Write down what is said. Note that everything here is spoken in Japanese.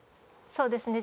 そうですね。